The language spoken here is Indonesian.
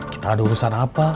kita ada urusan apa